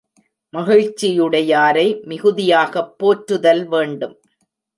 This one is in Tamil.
மகிழ்ச்சியுடையாரை மிகுதியாகப் போற்றுதல் வேண்டும்.